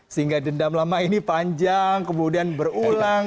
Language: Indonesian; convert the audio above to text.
sehingga dendam lama ini panjang kemudian berulang